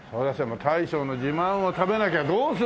大将の自慢を食べなきゃどうすんの。